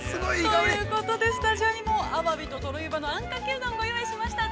◆ということで、スタジオにも「アワビととろ湯葉のあんかけうどん」ご用意しました。